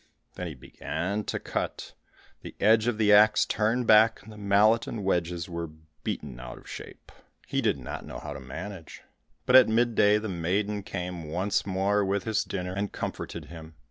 When he began to cut, the edge of the axe turned back, and the mallet and wedges were beaten out of shape. He did not know how to manage, but at mid day the maiden came once more with his dinner and comforted him.